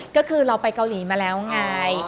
ก็คือเราไปเกาหลีมาแล้วไง